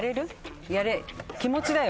気持ちだよ。